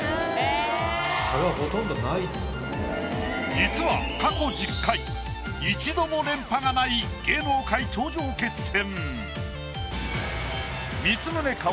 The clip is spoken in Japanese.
実は過去１０回一度も連覇がない芸能界頂上決戦。